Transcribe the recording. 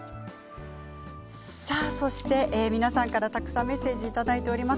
そして皆さんからたくさんメッセージいただいております。